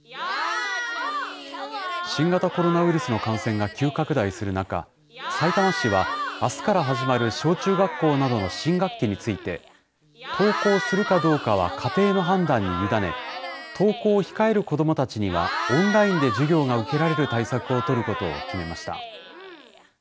新型コロナウイルスの感染が急拡大する中、さいたま市は、あすから始まる小中学校などの新学期について、登校するかどうかは家庭の判断に委ね、登校を控える子どもたちには、オンラインで授業が受けられる対策を取ることを決めました。